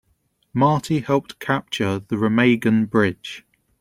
Marty helped capture the Remagen Bridge.